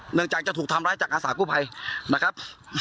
หลังจากจะถูกทำร้ายจากอาสากู้ภัยนะครับ